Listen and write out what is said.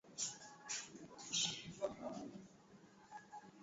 na pamoja na tunatambua